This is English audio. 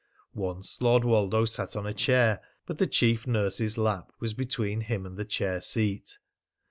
Once Lord Woldo sat on a chair, but the chief nurse's lap was between him and the chair seat.